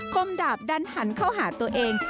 คมดาบดันหันเข้าหาตัวเอง